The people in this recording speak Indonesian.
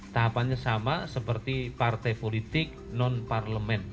tahapannya sama seperti partai politik non parlemen